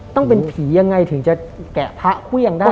ต้องเป็นผียังไงถึงจะแกะพระเครื่องได้